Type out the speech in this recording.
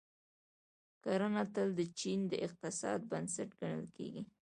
کرنه تل د چین د اقتصاد بنسټ ګڼل کیږي.